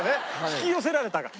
引き寄せられたか。